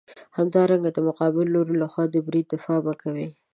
همدارنګه د مقابل لوري لخوا د برید دفاع به کوې.